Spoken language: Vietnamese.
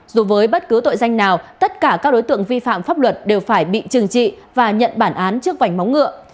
dù với bất cứ tội danh nào tất cả các đối tượng vi phạm pháp luật đều phải bị trừng trị và nhận bản án trước vành móng ngựa